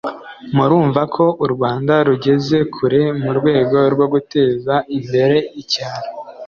murumva ko u Rwanda rugeze kure mu rwego rwo guteza imbere icyaro